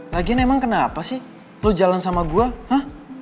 lagian emang kenapa sih lo jalan sama gue